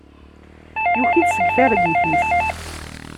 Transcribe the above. Yuki-d seg targit-is.